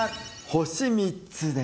星３つです。